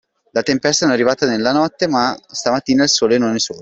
La tempesta non è arrivata nella notte, ma stamattina il Sole non è sorto.